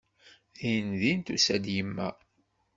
Dindin tusa-d yemma.